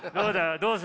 どうする？